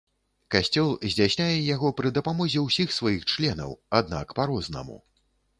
Касцёл здзяйсняе яго пры дапамозе ўсіх сваіх членаў, аднак па-рознаму.